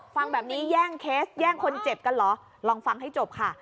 ฟังแบบนี้แย่งเคสแย่งคนเจ็บกันเหรอลองฟังให้จบค่ะ